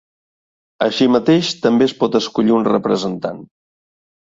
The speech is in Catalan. Així mateix, també es pot escollir un representant.